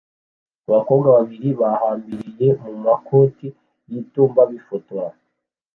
Abakobwa babiri bahambiriye mu makoti y'itumba bifotora